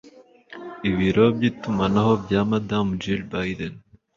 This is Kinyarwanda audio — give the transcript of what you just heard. ibiro by'itumanaho bya Madamu Jill Biden,